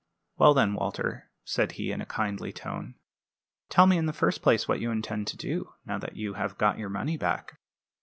"Well, then, Walter," said he, in a kindly tone, "tell me in the first place what you intend to do, now that you have got your money back?"